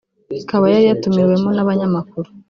ikaba yari yatumiwemo n’abanyamakuru